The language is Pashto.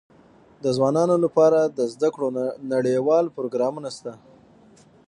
د ځوانانو لپاره د زده کړو نړيوال پروګرامونه سته.